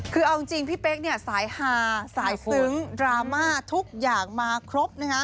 คือเอาจริงพี่เป๊กเนี่ยสายฮาสายซึ้งดราม่าทุกอย่างมาครบนะฮะ